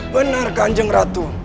benar kanjeng ratu